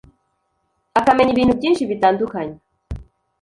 akamenya ibintu byinshi bitandukanye